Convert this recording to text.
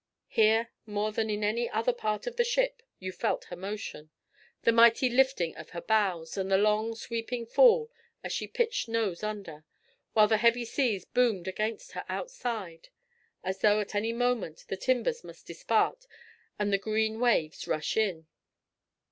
Here, more than in any other part of the ship, you felt her motion—the mighty lifting of her bows, and the long sweeping fall as she pitched nose under, while the heavy seas boomed against her outside as though at any moment the timbers must dispart and the green waves rush in.